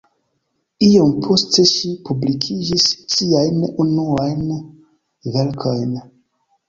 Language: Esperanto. Iom poste ŝi publikigis siajn unuajn verkojn.